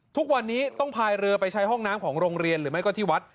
ทุกวันนี้ต้องพายเรือไปใช้ห้องน้ำของโรงเรียนหรือไม่ก็ที่วัด